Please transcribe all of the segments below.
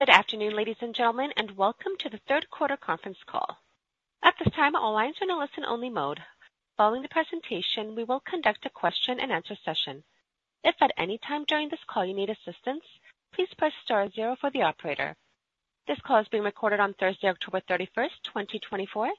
Good afternoon, ladies and gentlemen, and welcome to the third quarter conference call. At this time, all lines are in a listen-only mode. Following the presentation, we will conduct a question-and-answer session. If at any time during this call you need assistance, please press star zero for the operator. This call is being recorded on Thursday, October 31st, 2024.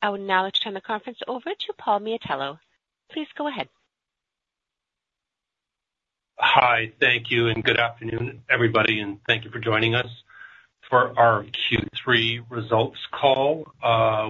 I will now turn the conference over to Paul Miatello. Please go ahead. Hi, thank you, and good afternoon, everybody, and thank you for joining us for our Q3 results call.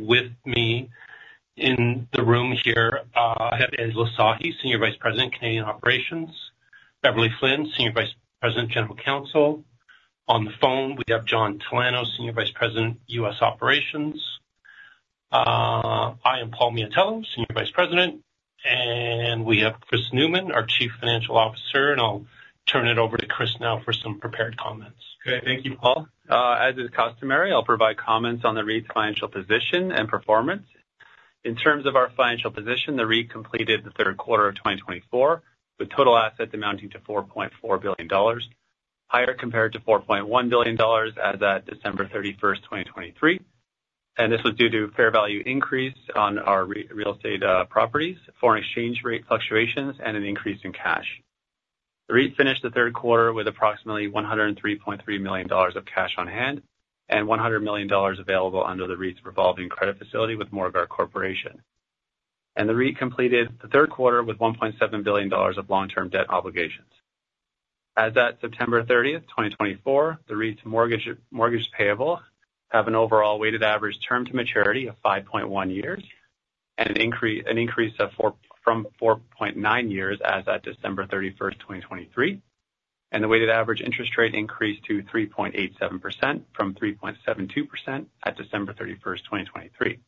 With me in the room here, I have Angela Sahi, Senior Vice President, Canadian Operations, Beverley Flynn, Senior Vice President, General Counsel. On the phone, we have John Talano, Senior Vice President, U.S. Operations. I am Paul Miatello, Senior Vice President, and we have Chris Newman, our Chief Financial Officer, and I'll turn it over to Chris now for some prepared comments. Okay, thank you, Paul. As is customary, I'll provide comments on the REIT's financial position and performance. In terms of our financial position, the REIT completed the third quarter of 2024 with total assets amounting to $4.4 billion, higher compared to $4.1 billion as of December 31st, 2023, and this was due to fair value increase on our real estate properties, foreign exchange rate fluctuations, and an increase in cash. The REIT finished the third quarter with approximately $103.3 million of cash on hand and $100 million available under the REIT's revolving credit facility with Morguard Corporation, and the REIT completed the third quarter with $1.7 billion of long-term debt obligations. As of September 30th, 2024, the REIT's mortgage payable has an overall weighted average term to maturity of 5.1 years and an increase from 4.9 years as of December 31st, 2023. And the weighted average interest rate increased to 3.87% from 3.72% at December 31st, 2023.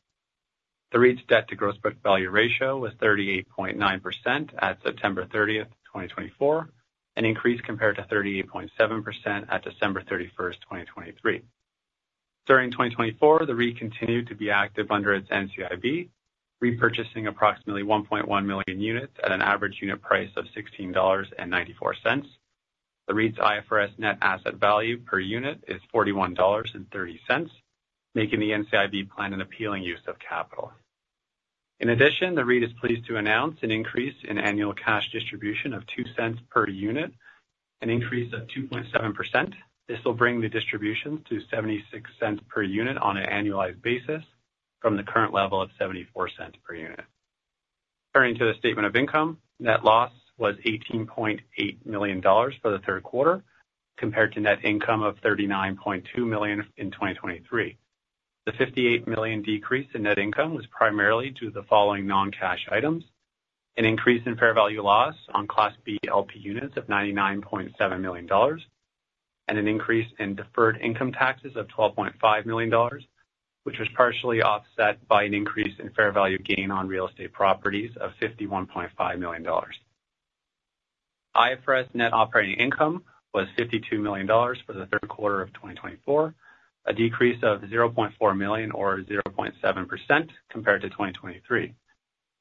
The REIT's debt-to-gross book value ratio was 38.9% at September 30th, 2024, an increase compared to 38.7% at December 31st, 2023. During 2024, the REIT continued to be active under its NCIB, repurchasing approximately 1.1 million units at an average unit price of 16.94 dollars. The REIT's IFRS net asset value per unit is 41.30 dollars, making the NCIB plan an appealing use of capital. In addition, the REIT is pleased to announce an increase in annual cash distribution of 0.02 per unit, an increase of 2.7%. This will bring the distributions to 0.76 per unit on an annualized basis from the current level of 0.74 per unit. Turning to the statement of income, net loss was 18.8 million dollars for the third quarter compared to net income of 39.2 million in 2023. The 58 million decrease in net income was primarily due to the following non-cash items: an increase in fair value loss on Class B LP units of 99.7 million dollars, and an increase in deferred income taxes of 12.5 million dollars, which was partially offset by an increase in fair value gain on real estate properties of 51.5 million dollars. IFRS net operating income was 52 million dollars for the third quarter of 2024, a decrease of 0.4 million, or 0.7%, compared to 2023.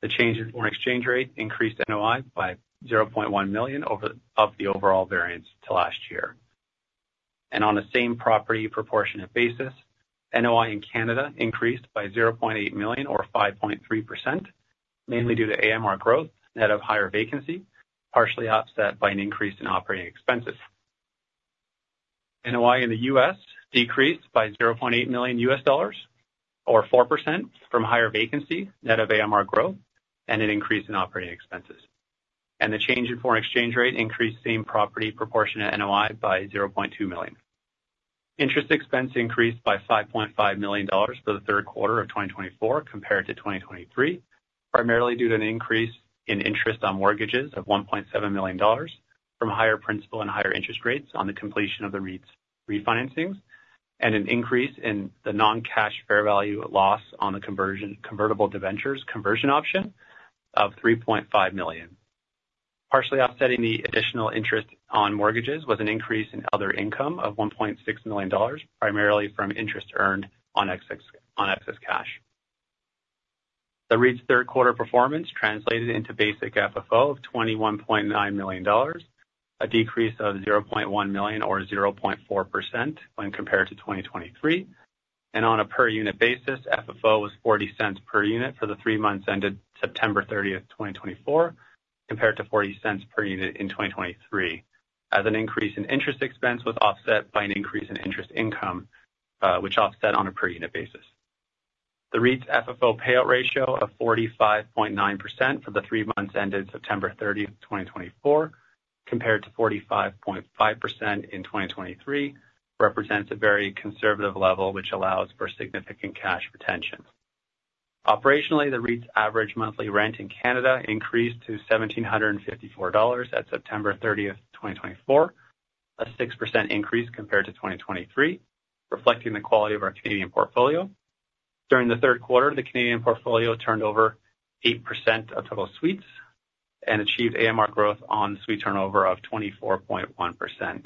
The change in foreign exchange rate increased NOI by 0.1 million of the overall variance to last year. On the same property proportionate basis, NOI in Canada increased by 0.8 million, or 5.3%, mainly due to AMR growth, net of higher vacancy, partially offset by an increase in operating expenses. NOI in the U.S. decreased by $0.8 million. dollars, or 4%, from higher vacancy, net of AMR growth, and an increase in operating expenses. And the change in foreign exchange rate increased same property proportionate NOI by 0.2 million. Interest expense increased by 5.5 million dollars for the third quarter of 2024 compared to 2023, primarily due to an increase in interest on mortgages of 1.7 million dollars from higher principal and higher interest rates on the completion of the REIT's refinancings, and an increase in the non-cash fair value loss on the convertible debentures conversion option of 3.5 million. Partially offsetting the additional interest on mortgages was an increase in other income of 1.6 million dollars, primarily from interest earned on excess cash. The REIT's third quarter performance translated into basic FFO of 21.9 million dollars, a decrease of 0.1 million, or 0.4%, when compared to 2023. On a per-unit basis, FFO was 0.40 per unit for the three months ended September 30th, 2024, compared to 0.40 per unit in 2023, as an increase in interest expense was offset by an increase in interest income, which offset on a per-unit basis. The REIT's FFO payout ratio of 45.9% for the three months ended September 30th, 2024, compared to 45.5% in 2023, represents a very conservative level, which allows for significant cash retention. Operationally, the REIT's average monthly rent in Canada increased to 1,754 dollars at September 30th, 2024, a 6% increase compared to 2023, reflecting the quality of our Canadian portfolio. During the third quarter, the Canadian portfolio turned over 8% of total suites and achieved AMR growth on suite turnover of 24.1%.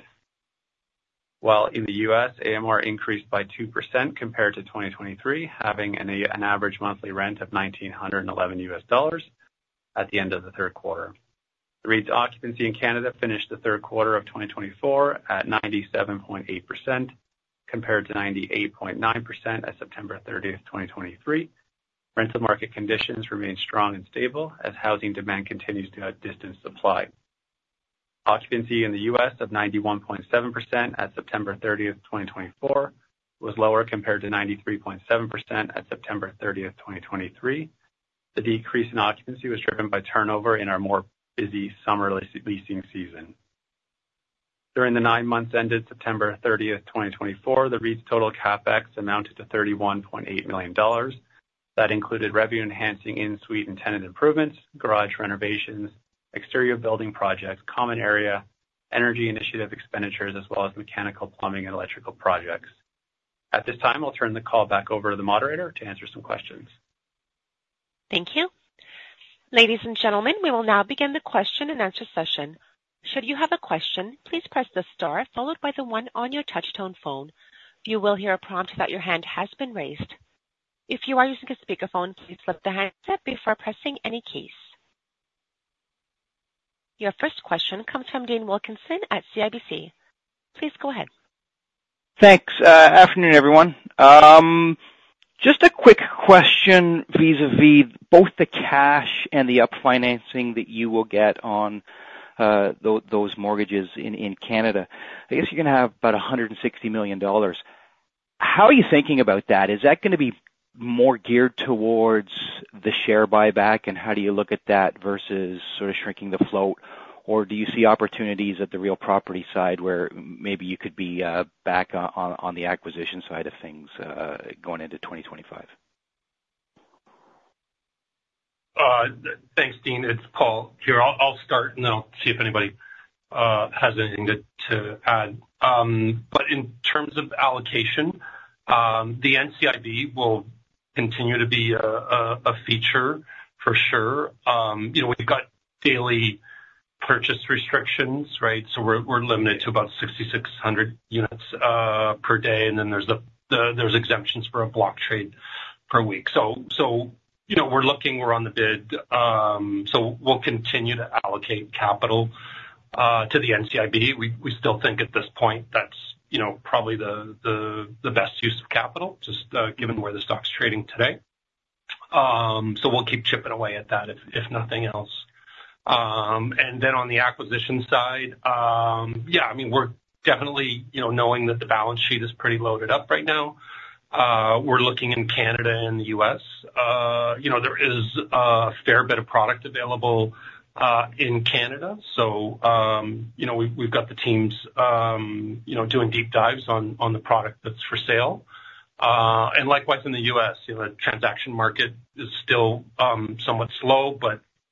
While in the U.S., AMR increased by 2% compared to 2023, having an average monthly rent of $1,911 at the end of the third quarter. The REIT's occupancy in Canada finished the third quarter of 2024 at 97.8% compared to 98.9% at September 30th, 2023. Rental market conditions remain strong and stable as housing demand continues to outdistance supply. Occupancy in the U.S. of 91.7% at September 30th, 2024, was lower compared to 93.7% at September 30th, 2023. The decrease in occupancy was driven by turnover in our more busy summer leasing season. During the nine months ended September 30th, 2024, the REIT's total Capex amounted to 31.8 million dollars. That included revenue-enhancing in-suite and tenant improvements, garage renovations, exterior building projects, common area, energy initiative expenditures, as well as mechanical, plumbing, and electrical projects. At this time, I'll turn the call back over to the moderator to answer some questions. Thank you. Ladies and gentlemen, we will now begin the question-and-answer session. Should you have a question, please press the star followed by the one on your touchtone phone. You will hear a prompt that your hand has been raised. If you are using a speakerphone, please flip the handset before pressing any keys. Your first question comes from Dean Wilkinson at CIBC. Please go ahead. Thanks. Afternoon, everyone. Just a quick question vis-à-vis both the cash and the refinancing that you will get on those mortgages in Canada. I guess you're going to have about 160 million dollars. How are you thinking about that? Is that going to be more geared towards the share buyback, and how do you look at that versus sort of shrinking the float, or do you see opportunities at the real property side where maybe you could be back on the acquisition side of things going into 2025? Thanks, Dean. It's Paul here. I'll start, and then I'll see if anybody has anything to add. But in terms of allocation, the NCIB will continue to be a feature for sure. We've got daily purchase restrictions, right? So we're limited to about 6,600 units per day, and then there's exemptions for a block trade per week. So we're looking, we're on the bid. So we'll continue to allocate capital to the NCIB. We still think at this point that's probably the best use of capital, just given where the stock's trading today. So we'll keep chipping away at that if nothing else. And then on the acquisition side, yeah, I mean, we're definitely knowing that the balance sheet is pretty loaded up right now. We're looking in Canada and the U.S. There is a fair bit of product available in Canada. So we've got the teams doing deep dives on the product that's for sale. And likewise in the U.S., the transaction market is still somewhat slow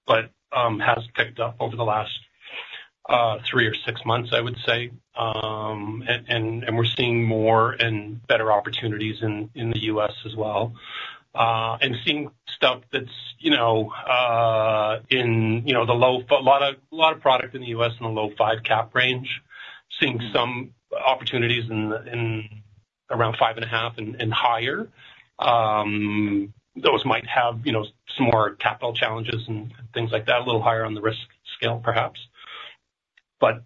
but has picked up over the last three or six months, I would say. And we're seeing more and better opportunities in the U.S. as well. And seeing stuff that's in the low five cap range. A lot of product in the U.S. in the low five cap range. Seeing some opportunities in around five and a half and higher. Those might have some more capital challenges and things like that, a little higher on the risk scale, perhaps. But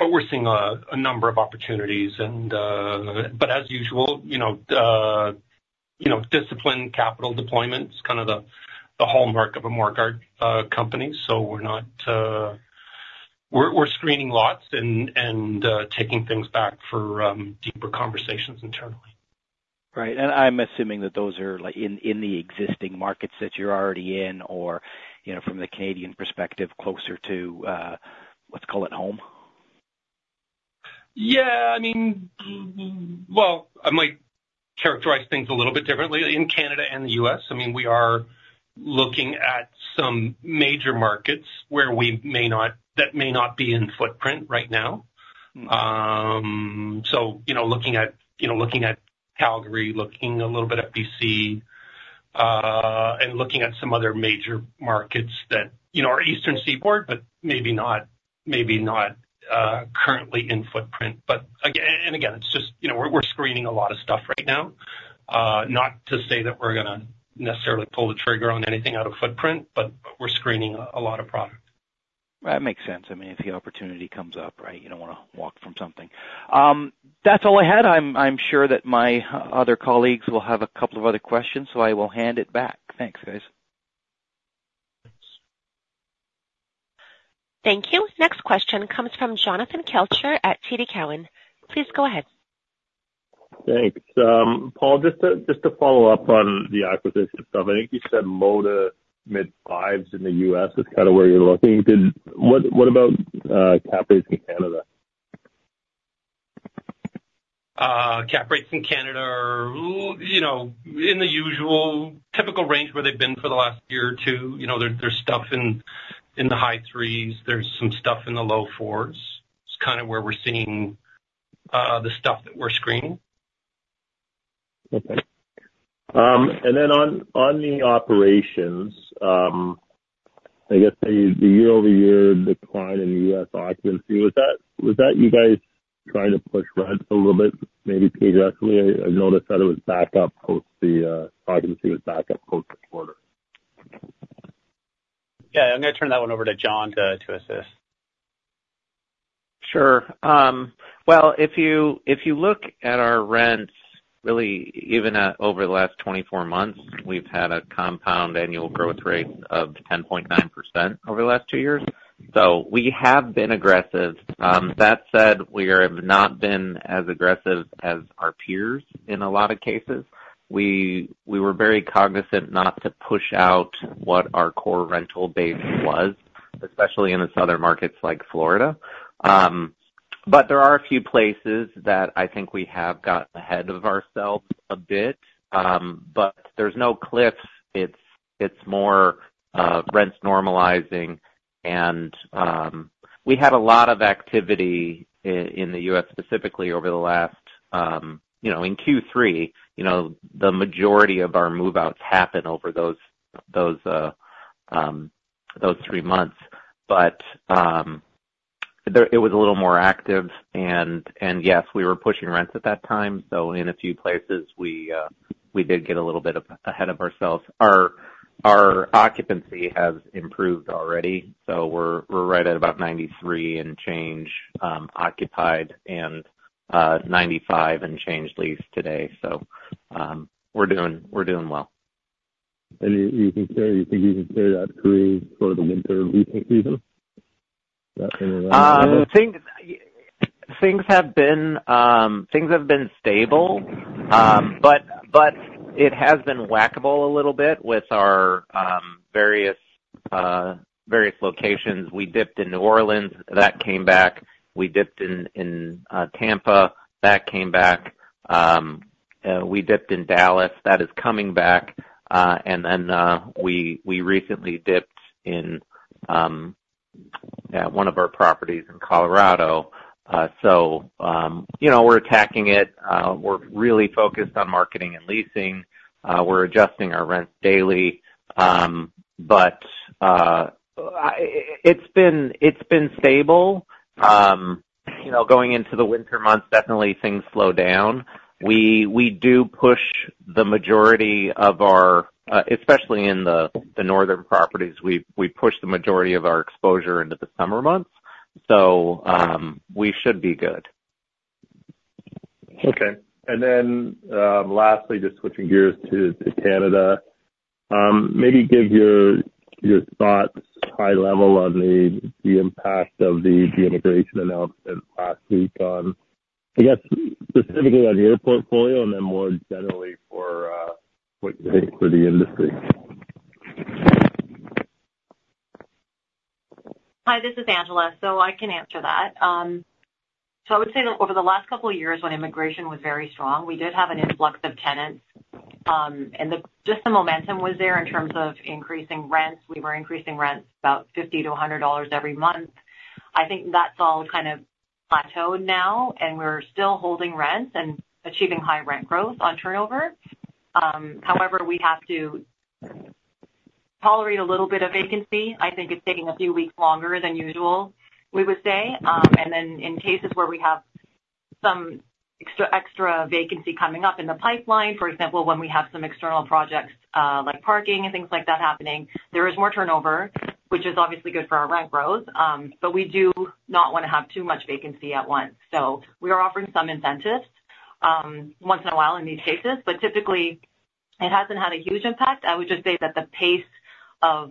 we're seeing a number of opportunities. But as usual, disciplined capital deployment is kind of the hallmark of a Morguard company. So we're screening lots and taking things back for deeper conversations internally. Right. And I'm assuming that those are in the existing markets that you're already in or, from the Canadian perspective, closer to, let's call it, home? Yeah. I mean, well, I might characterize things a little bit differently in Canada and the U.S. I mean, we are looking at some major markets where we may not—that may not be in footprint right now. So looking at Calgary, looking a little bit at BC, and looking at some other major markets that are Eastern Seaboard, but maybe not currently in footprint. And again, it's just we're screening a lot of stuff right now. Not to say that we're going to necessarily pull the trigger on anything out of footprint, but we're screening a lot of product. That makes sense. I mean, if the opportunity comes up, right, you don't want to walk from something. That's all I had. I'm sure that my other colleagues will have a couple of other questions, so I will hand it back. Thanks, guys. Thanks. Thank you. Next question comes from Jonathan Kelcher at TD Cowen. Please go ahead. Thanks. Paul, just to follow up on the acquisition stuff, I think you said in the mid-fives in the U.S. is kind of where you're looking. What about cap rates in Canada? Cap rates in Canada are in the usual typical range where they've been for the last year or two. There's stuff in the high threes. There's some stuff in the low fours. It's kind of where we're seeing the stuff that we're screening. Okay. Then on the operations, I guess the year-over-year decline in the U.S. occupancy, was that you guys trying to push rents a little bit, maybe aggressively? I noticed that the occupancy was back up post the quarter. Yeah. I'm going to turn that one over to John to assist. Sure. Well, if you look at our rents, really, even over the last 24 months, we've had a compound annual growth rate of 10.9% over the last two years. So we have been aggressive. That said, we have not been as aggressive as our peers in a lot of cases. We were very cognizant not to push out what our core rental base was, especially in the southern markets like Florida. But there are a few places that I think we have gotten ahead of ourselves a bit. But there's no cliffs. It's more rents normalizing. And we had a lot of activity in the U.S., specifically over the last in Q3, the majority of our move-outs happened over those three months. But it was a little more active. And yes, we were pushing rents at that time. So in a few places, we did get a little bit ahead of ourselves. Our occupancy has improved already. So we're right at about 93 and change occupied and 95 and change leased today. So we're doing well. You think you can say that through sort of the winter leasing season? Is that in your mind? Things have been stable, but it has been whack-a-mole a little bit with our various locations. We dipped in New Orleans. That came back. We dipped in Tampa. That came back. We dipped in Dallas. That is coming back. And then we recently dipped in one of our properties in Colorado. So we're attacking it. We're really focused on marketing and leasing. We're adjusting our rents daily. But it's been stable. Going into the winter months, definitely things slow down. We do push the majority of our, especially in the northern properties, exposure into the summer months. So we should be good. Okay. And then lastly, just switching gears to Canada, maybe give your thoughts high level on the impact of the immigration announcement last week on, I guess, specifically on your portfolio and then more generally for what you think for the industry? Hi, this is Angela. So I can answer that. So I would say that over the last couple of years when immigration was very strong, we did have an influx of tenants. And just the momentum was there in terms of increasing rents. We were increasing rents about 50-100 dollars every month. I think that's all kind of plateaued now, and we're still holding rents and achieving high rent growth on turnover. However, we have to tolerate a little bit of vacancy. I think it's taking a few weeks longer than usual, we would say. And then in cases where we have some extra vacancy coming up in the pipeline, for example, when we have some external projects like parking and things like that happening, there is more turnover, which is obviously good for our rent growth. But we do not want to have too much vacancy at once. So we are offering some incentives once in a while in these cases. But typically, it hasn't had a huge impact. I would just say that the pace of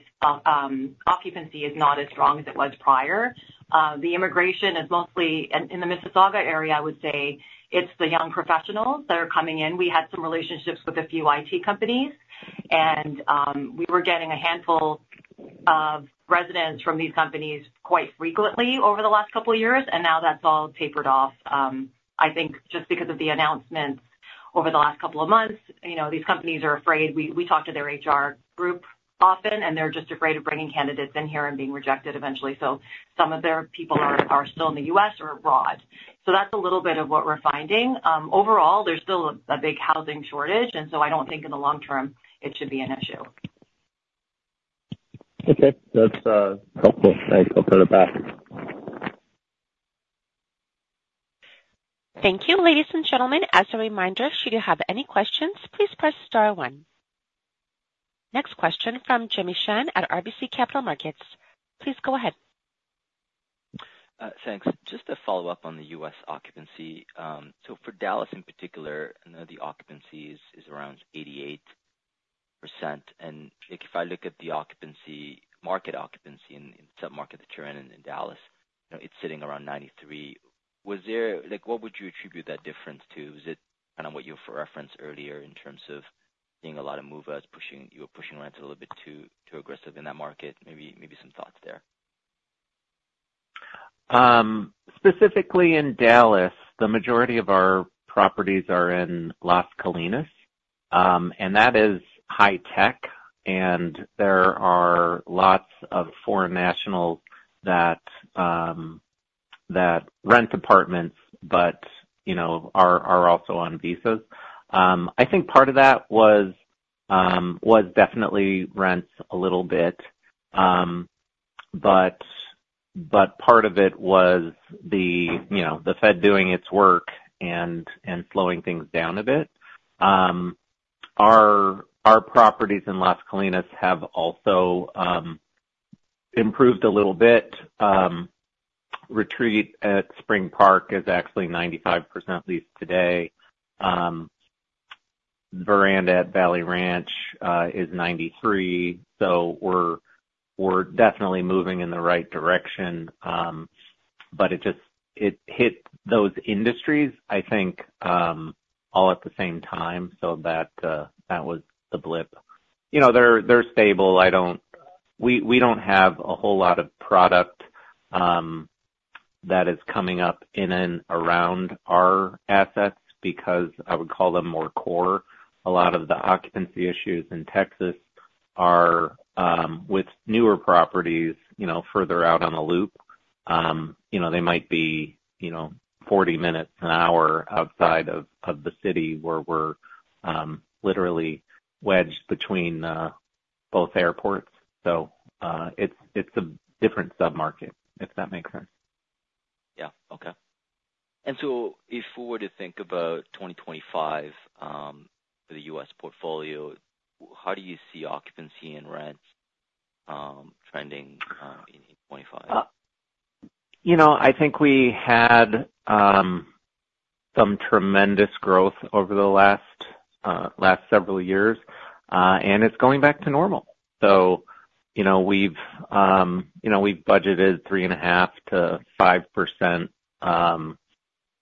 occupancy is not as strong as it was prior. The immigration is mostly in the Mississauga area, I would say. It's the young professionals that are coming in. We had some relationships with a few IT companies, and we were getting a handful of residents from these companies quite frequently over the last couple of years. And now that's all tapered off. I think just because of the announcements over the last couple of months, these companies are afraid. We talk to their HR group often, and they're just afraid of bringing candidates in here and being rejected eventually. So some of their people are still in the U.S. or abroad. So that's a little bit of what we're finding. Overall, there's still a big housing shortage, and so I don't think in the long term it should be an issue. Okay. That's helpful. Thanks. I'll turn it back. Thank you. Ladies and gentlemen, as a reminder, should you have any questions, please press star one. Next question from Jimmy Shan at RBC Capital Markets. Please go ahead. Thanks. Just to follow up on the U.S. occupancy. So for Dallas in particular, I know the occupancy is around 88%. And if I look at the market occupancy in the submarket that you're in in Dallas, it's sitting around 93%. What would you attribute that difference to? Was it kind of what you referenced earlier in terms of seeing a lot of movers, you were pushing rents a little bit too aggressive in that market? Maybe some thoughts there. Specifically in Dallas, the majority of our properties are in Las Colinas, and that is high tech, and there are lots of foreign nationals that rent apartments but are also on visas. I think part of that was definitely rents a little bit, but part of it was the Fed doing its work and slowing things down a bit. Our properties in Las Colinas have also improved a little bit. Retreat at Spring Park is actually 95% leased today. Verandah at Valley Ranch is 93%, so we're definitely moving in the right direction, but it hit those industries, I think, all at the same time, so that was the blip. They're stable. We don't have a whole lot of product that is coming up in and around our assets because I would call them more core. A lot of the occupancy issues in Texas are with newer properties further out on the loop. They might be 40 minutes, an hour outside of the city where we're literally wedged between both airports. So it's a different submarket, if that makes sense. Yeah. Okay. And so if we were to think about 2025 for the U.S. portfolio, how do you see occupancy and rents trending in 2025? I think we had some tremendous growth over the last several years, and it's going back to normal. So we've budgeted 3.5%-5%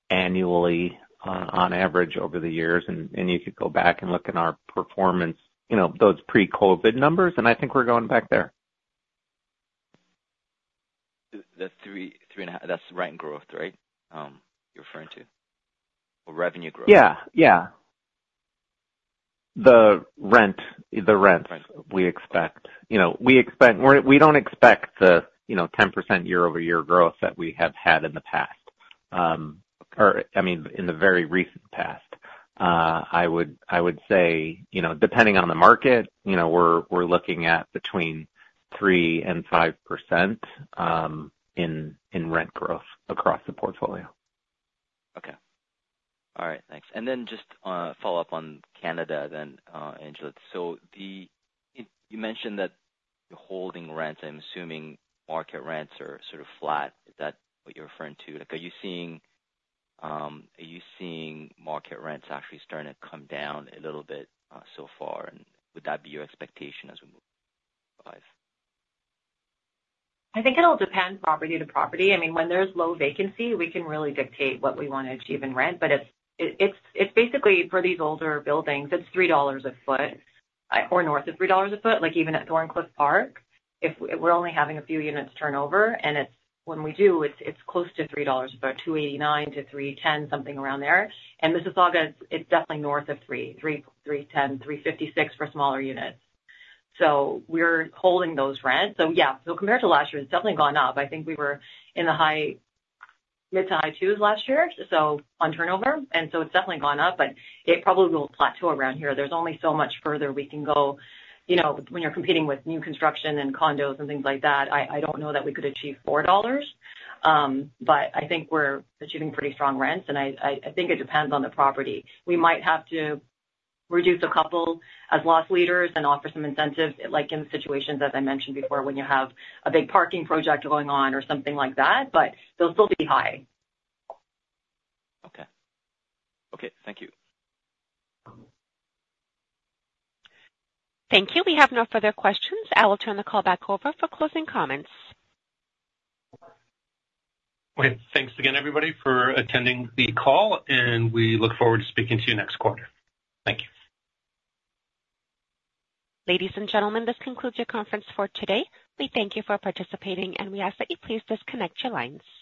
annually on average over the years. And you could go back and look at our performance, those pre-COVID numbers, and I think we're going back there. That's rent growth, right, you're referring to? Or revenue growth? Yeah. Yeah. The rent we expect. We don't expect the 10% year-over-year growth that we have had in the past, or I mean, in the very recent past. I would say, depending on the market, we're looking at between 3% and 5% in rent growth across the portfolio. Okay. All right. Thanks. And then just follow up on Canada then, Angela. So you mentioned that you're holding rents. I'm assuming market rents are sort of flat. Is that what you're referring to? Are you seeing market rents actually starting to come down a little bit so far? And would that be your expectation as we move to 2025? I think it'll depend property to property. I mean, when there's low vacancy, we can really dictate what we want to achieve in rent. But it's basically for these older buildings; it's 3 dollars a foot or north of 3 dollars a foot. Even at Thorncliffe Park, we're only having a few units turnover. And when we do, it's close to 3 dollars a foot, 2.89-3.10, something around there. And Mississauga, it's definitely north of 3, 3.10, 3.56 for smaller units. So we're holding those rents. So yeah, so compared to last year, it's definitely gone up. I think we were in the mid- to high twos last year on turnover. And so it's definitely gone up, but it probably will plateau around here. There's only so much further we can go. When you're competing with new construction and condos and things like that, I don't know that we could achieve 4 dollars. But I think we're achieving pretty strong rents. And I think it depends on the property. We might have to reduce a couple as loss leaders and offer some incentives in situations, as I mentioned before, when you have a big parking project going on or something like that. But they'll still be high. Okay. Okay. Thank you. Thank you. We have no further questions. I will turn the call back over for closing comments. Okay. Thanks again, everybody, for attending the call, and we look forward to speaking to you next quarter. Thank you. Ladies and gentlemen, this concludes your conference for today. We thank you for participating, and we ask that you please disconnect your lines.